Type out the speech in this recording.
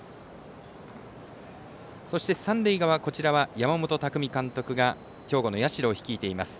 そして三塁側は山本巧監督が兵庫の社を率いています。